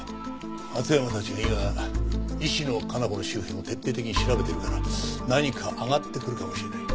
松山たちが今石野香奈子の周辺を徹底的に調べてるから何か挙がってくるかもしれない。